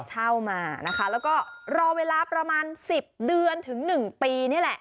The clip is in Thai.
เช่ามานะคะแล้วก็รอเวลาประมาณ๑๐เดือนถึง๑ปีนี่แหละ